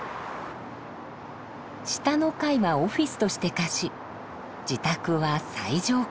下の階はオフィスとして貸し自宅は最上階。